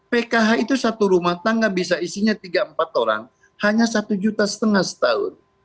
pkh itu satu rumah tangga bisa isinya tiga empat orang hanya satu juta setengah setahun